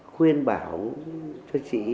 khuyên bảo cho chị